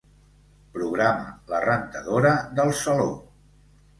Programa la rentadora del saló.